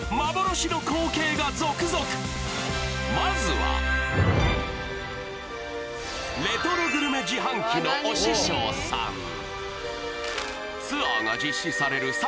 幻の光景が続々まずはレトログルメ自販機の推し匠さんツアーが実施される